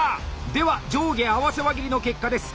では「上下合わせ輪切り」の結果です。